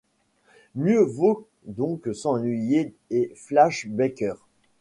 Mieux vaut donc s'ennuyer et flash backer.